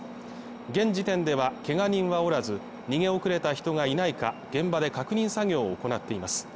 現時点ではけが人はおらず逃げ遅れた人がいないか現場で確認作業を行っています